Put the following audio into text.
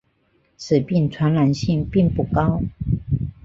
此病传染性并不高。